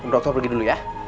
dokter pergi dulu ya